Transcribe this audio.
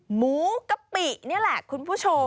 หมูกะปินี่แหละคุณผู้ชม